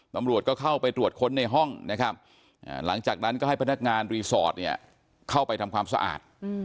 ตำรวจก็เข้าไปตรวจค้นในห้องนะครับหลังจากนั้นก็ให้พนักงานรีสอร์ทเนี่ยเข้าไปทำความสะอาด